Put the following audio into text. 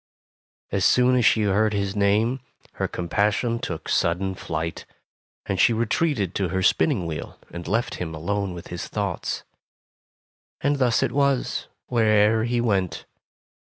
As soon as she heard his name, her com passion took sudden flight, and she retreated to her spinning wheel and left him alone with his thoughts. And thus it was, wher e'er he went.